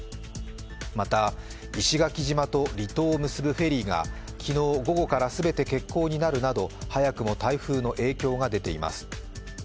また石垣島と離島を結ぶフェリーが昨日午後から全て欠航になるなど早くも台風の影響が出ています。